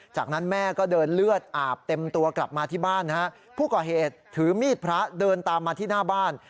จากนั้นแม่ก็เดินเลือดอาบเต็มตัวกลับมาที่บ้านนะฮะผู้ก่อเหตุถือมีดพระเดินตามมาที่หน้าบ้าน